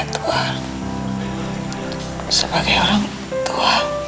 gio harusjaz bagaikuileen ke s uw